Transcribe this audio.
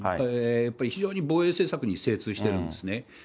やっぱり非常に防衛政策に精通してるんですね。